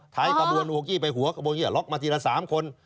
ท้ายกระบวนโอ๊คอี้ไปหัวกระบวนโอ๊คอี้ล็อกมาทีละ๓คน